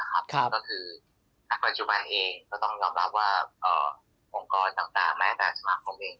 ก็คือณปัจจุบันเองก็ต้องยอมรับว่าองค์กรต่างแม้แต่สมาคมเอง